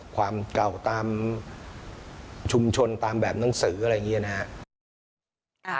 ความเก่าตามชุมชนตามแบบหนังสืออะไรอย่างนี้นะครับ